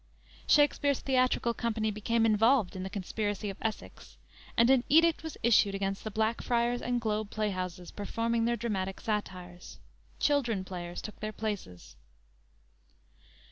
Shakspere's theatrical company became involved in the conspiracy of Essex, and an edict was issued against the Blackfriars and Globe playhouses performing their dramatic satires. Children players took their places.